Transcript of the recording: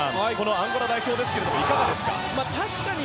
アンゴラ代表ですがいかがですか？